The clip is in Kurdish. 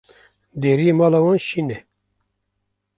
Deriyê mala wan şîn e.